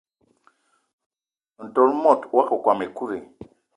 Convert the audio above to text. Ntol mot wakokóm ekut i?